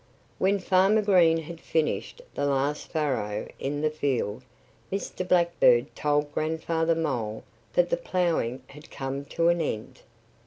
When Farmer Green had finished the last furrow in the field Mr. Blackbird told Grandfather Mole that the ploughing had come to an end.